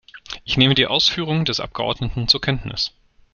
Ich nehme die Ausführungen des Abgeordneten zur Kenntnis.